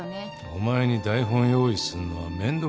お前に台本用意すんのは面倒くせえしな。